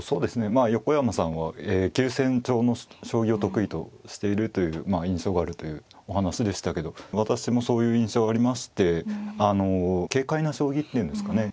まあ横山さんは急戦調の将棋を得意としているという印象があるというお話でしたけど私もそういう印象ありましてあの軽快な将棋っていうんですかね